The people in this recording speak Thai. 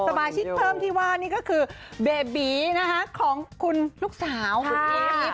สมาชิกเพิ่มที่ว่านี่ก็คือเบบีนะคะของคุณลูกสาวคุณอีฟ